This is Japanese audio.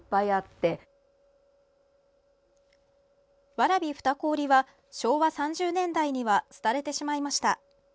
蕨双子織は昭和３０年代には廃れてしまいました。